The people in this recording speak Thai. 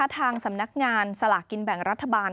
ทางสำนักงานสลากกินแบ่งรัฐบาล